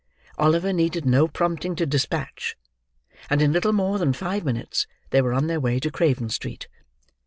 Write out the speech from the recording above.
Oliver needed no prompting to despatch, and in little more than five minutes they were on their way to Craven Street.